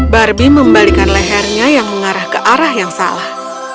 barbie membalikan lehernya yang mengarah ke arah yang salah